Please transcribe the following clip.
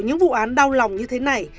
những vụ án đau lòng như thế này